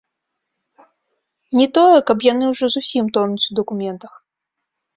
Не тое, каб яны ўжо зусім тонуць у дакументах.